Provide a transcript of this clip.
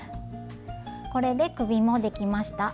これで首もできました。